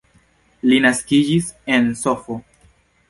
Li naskiĝis en Sf.